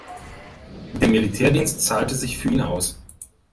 Der Militärdienst zahlte sich für ihn aus.